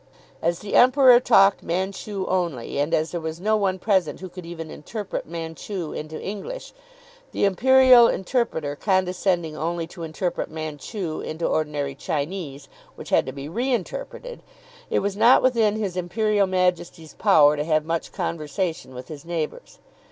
As the Emperor talked Manchoo only, and as there was no one present who could even interpret Manchoo into English, the imperial interpreter condescending only to interpret Manchoo into ordinary Chinese which had to be reinterpreted, it was not within his Imperial Majesty's power to have much conversation with his neighbours.